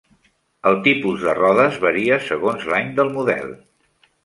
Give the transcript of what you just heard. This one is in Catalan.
Els tipus de rodes varia segons l'any del model.